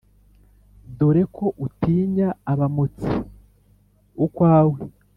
dore ko utinya abamotsi ukwawe